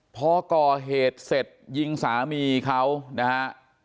พอก่อเหตุเสร็จยิงสามีเขานะฮะ